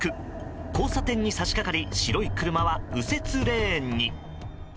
交差点に差し掛かり白い車は右折レーンに。